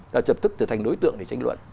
là trập thức trở thành đối tượng để tranh luận